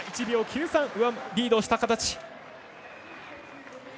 １秒９３リードをした形。